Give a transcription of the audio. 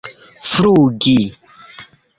flugi